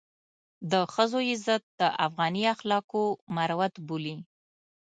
د ښځو عزت د افغاني اخلاقو مروت بولي.